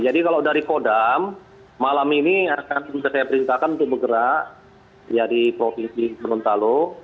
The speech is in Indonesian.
jadi kalau dari kodam malam ini akan saya perintahkan untuk bergerak ya di provinsi gorontalo